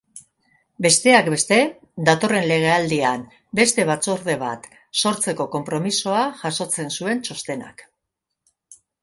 Besteak beste, datorren legealdian beste batzorde bat sortzeko konpromisoa jasotzen zuen txostenak.